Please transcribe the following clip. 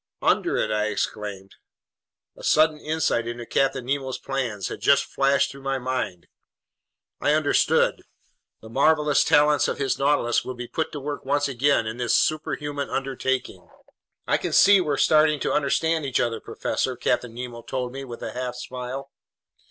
"Under it!" I exclaimed. A sudden insight into Captain Nemo's plans had just flashed through my mind. I understood. The marvelous talents of his Nautilus would be put to work once again in this superhuman undertaking! "I can see we're starting to understand each other, professor," Captain Nemo told me with a half smile.